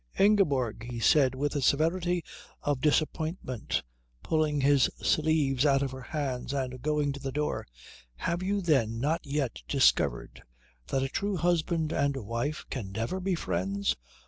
"Ingeborg," he said with the severity of disappointment, pulling his sleeves out of her hands and going to the door, "have you then not yet discovered that a true husband and wife can never be friends?"